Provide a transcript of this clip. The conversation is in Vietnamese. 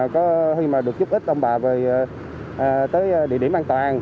có khi mà được giúp ích ông bà về tới địa điểm an toàn